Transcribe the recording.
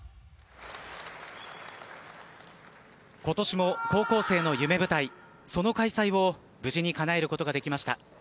今年も高校生の夢舞台その開催を無事にかなえることができました。